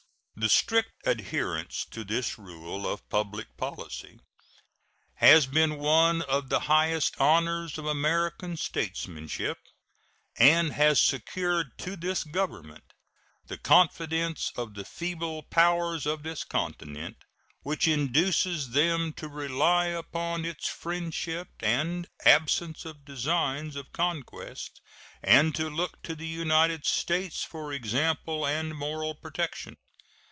The strict adherence to this rule of public policy has been one of the highest honors of American statesmanship, and has secured to this Government the confidence of the feeble powers on this continent, which induces them to rely upon its friendship and absence of designs of conquest and to look to the United States for example and moral protection.